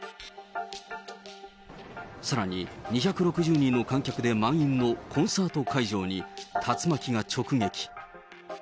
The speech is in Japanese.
さらに、２６０人の観客で満員のコンサート会場に竜巻が直撃。